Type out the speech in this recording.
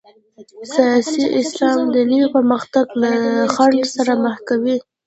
سیاسي اسلام دنیوي پرمختګ له خنډ سره مخ کوي.